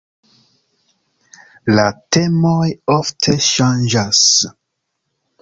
La temoj ofte ŝanĝas.